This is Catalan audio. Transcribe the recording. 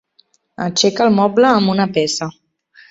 Aixeca el moble amb una peça.